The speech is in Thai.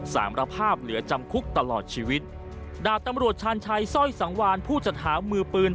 สารภาพเหลือจำคุกตลอดชีวิตดาบตำรวจชาญชัยสร้อยสังวานผู้จัดหามือปืน